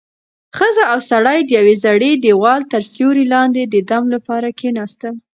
ښځه او سړی د یوې زړې دېوال تر سیوري لاندې د دم لپاره کېناستل.